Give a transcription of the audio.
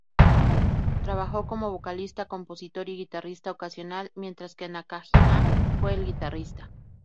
Trabajó como vocalista, compositor y guitarrista ocasional, mientras que Nakajima fue el guitarrista.